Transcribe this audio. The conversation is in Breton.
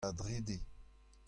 da drede.